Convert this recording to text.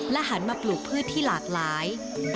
หันมาปลูกพืชที่หลากหลาย